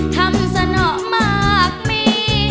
คำสะนอกมากมี